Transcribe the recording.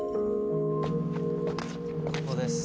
ここです。